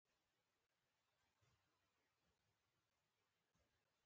سپین وېښته د عزت نښه ده د بوډاګانو درناوی ښيي